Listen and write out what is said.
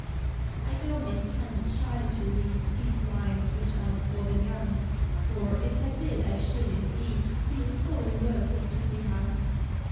I don't intend a Child to read These lines, which are not for the Young; For, if I did, I should indeed Feel fully worthy to be hung.